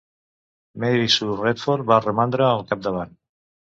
Mary Sue Radford va romandre al capdavant.